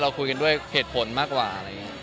เราคุยกันด้วยเหตุผลมากกว่า